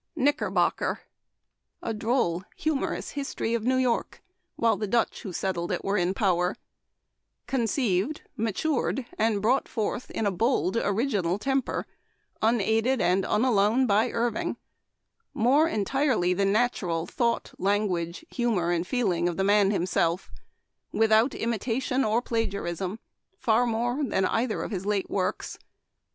..." Knickerbocker. — A droll, humorous history of New York, while the Dutch who settled it were in power, conceived, matured, and brought forth in a bold original temper, unaided and alone, by Irving ; more entirely the natural thought, language, humor, and feeling of the man himself, without imitation or plagiarism — far more — than either of his late works.